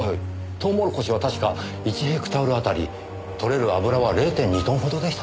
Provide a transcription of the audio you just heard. トウモロコシは確か１ヘクタールあたりとれる油は０．２トンほどでしたね。